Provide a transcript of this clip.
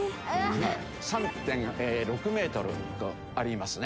３．６メートルありますね。